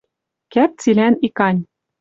Кӓп цилӓн икань.